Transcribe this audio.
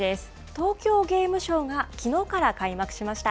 東京ゲームショウがきのうから開幕しました。